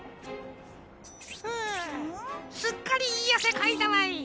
ふうすっかりいいあせかいたわい。